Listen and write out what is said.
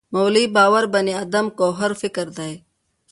مولوی باور بني ادم ګوهر فکر دی.